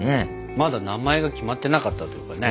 まだ名前が決まってなかったというかね。